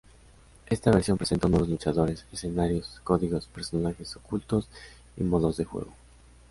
Esta versión presentó nuevos luchadores, escenarios, códigos, personajes ocultos y modos de juego.